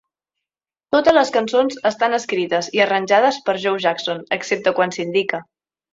Totes les cançons estan escrites i arranjades per Joe Jackson, excepte quan s'indica.